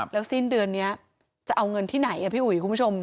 แล้วสิ้นเดือนนี้จะเอาเงินที่ไหนพี่อุ๋ยคุณผู้ชม